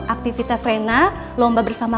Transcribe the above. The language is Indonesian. aktivitas rena lomba bersama